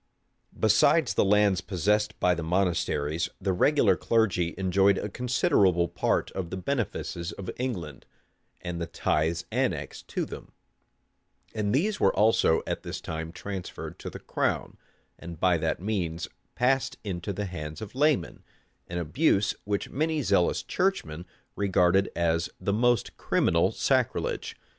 Besides the lands possessed by the monasteries, the regular clergy enjoyed a considerable part of the benefices of England, and of the tithes annexed to them; and these were also at this time transferred to the crown, and by that means passed into the hands of laymen; an abuse which many zealous churchmen regarded as the most criminal sacrilege.